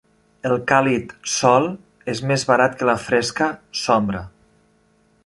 El càlid "sol" és més barat que la fresca "sombra".